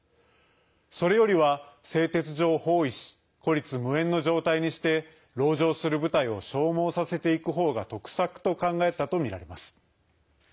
それよりは、製鉄所を包囲し孤立無援の状態にして籠城する部隊を消耗させていくほうが得策と考えたとみられます。